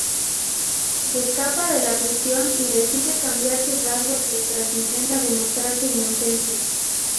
Escapa de la prisión y decide cambiar sus rasgos mientras intenta demostrar su inocencia.